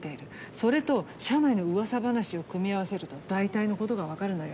それと社内のうわさ話を組み合わせると大体のことが分かるのよ。